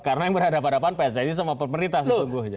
karena yang berhadapan hadapan pssi sama pemerintah sesungguhnya